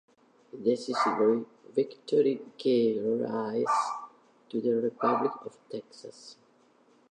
The decisive victory gave rise to the Republic of Texas.